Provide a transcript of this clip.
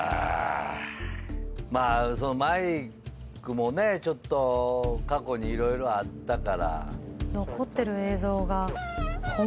まあマイクもねちょっと過去に色々あったから。